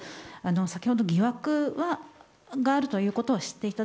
先ほど、疑惑があるということは知っていた。